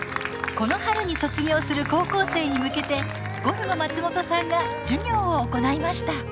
この春に卒業する高校生に向けてゴルゴ松本さんが授業を行いました